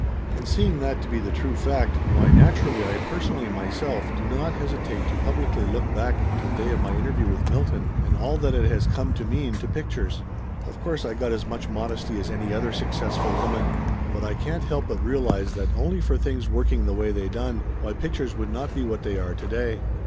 And seeing that to be the true fact, why naturally I personally myself do not hesitate to publicly look back to the day of my interview with Milton and all that it has since come to mean to pictures. Of course I got as much modesty as any other successful woman, but I can't help but realize that only for things working the way they done, why pictures would not be what they are to day.